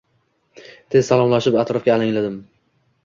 Tez salomlashib atrofga alangladim